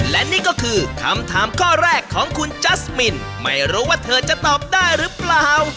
และนี่ก็คือคำถามข้อแรกของคุณจัสมินไม่รู้ว่าเธอจะตอบได้หรือเปล่า